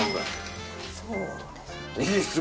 そう。